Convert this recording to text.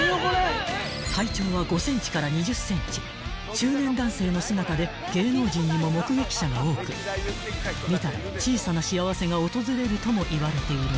［中年男性の姿で芸能人にも目撃者が多く見たら小さな幸せが訪れるともいわれているが］